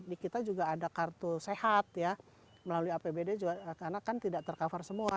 di kita juga ada kartu sehat ya melalui apbd karena kan tidak tercover semua